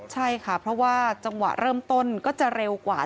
ใช่ค่ะเพราะว่าจังหวะเริ่มต้นก็จะเร็วกว่า